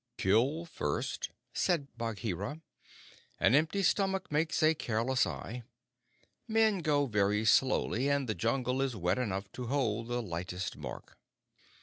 "Kill first," said Bagheera. "An empty stomach makes a careless eye. Men go very slowly, and the Jungle is wet enough to hold the lightest mark."